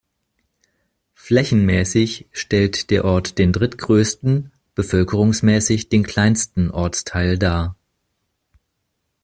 Flächenmäßig stellt der Ort den drittgrößten, bevölkerungsmäßig den kleinsten Ortsteil dar.